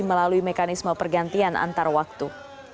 melalui mekanisme pergantian antar waktu